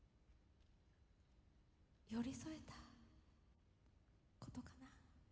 寄り添えたことかな。